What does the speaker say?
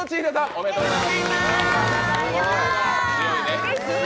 おめでとうございます、強いね。